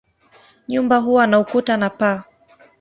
Nyumba huwa na ukuta na paa.